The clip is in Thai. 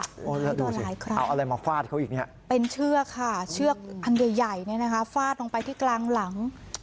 โอ้โหแล้วโดนเอาอะไรมาฟาดเขาอีกเนี่ยเป็นเชือกค่ะเชือกอันใหญ่ใหญ่เนี่ยนะคะฟาดลงไปที่กลางหลัง